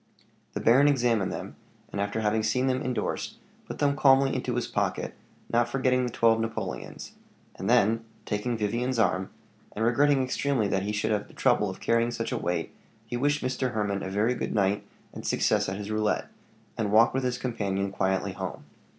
The baron examined them, and after having seen them indorsed, put them calmly into his pocket, not forgetting the twelve napoleons; and then taking Vivian's arm, and regretting extremely that he should have the trouble of carrying such a weight, he wished Mr. Hermann a very good night and success at his roulette, and walked with his companion quietly home.